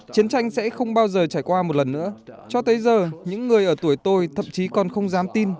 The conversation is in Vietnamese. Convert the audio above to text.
chiến tranh sẽ không bao giờ trải qua một lần nữa cho tới giờ những người ở tuổi tôi thậm chí còn không dám tin